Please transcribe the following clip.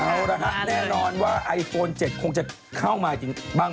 เอาละครับแน่นอนว่าไอโฟน๗คงจะเข้ามาจริง